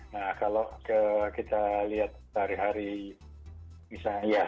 nah kalau kita lihat sehari hari misalnya